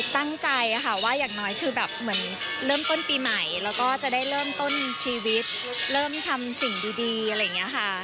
ตั้งใจค่ะว่าอย่างน้อยคือแบบเหมือนเริ่มต้นปีใหม่แล้วก็จะได้เริ่มต้นชีวิตเริ่มทำสิ่งดีอะไรอย่างนี้ค่ะ